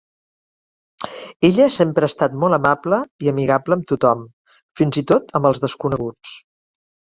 Ella sempre ha estat molt amable i amigable amb tothom, fins i tot amb els desconeguts.